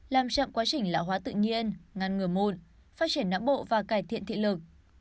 làm chậm quá trình lão hóa tự nhiên ngăn ngừa mụn phát triển não bộ và cải thiện thị lực